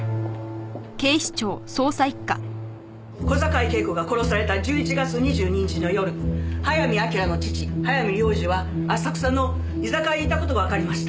小坂井恵子が殺された１１月２２日の夜早見明の父早見良司は浅草の居酒屋にいた事がわかりました。